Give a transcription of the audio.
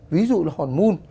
ví dụ là hòn môn